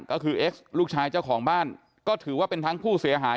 ก็คือเอ็กซ์ลูกชายเจ้าของบ้านก็ถือว่าเป็นทั้งผู้เสียหาย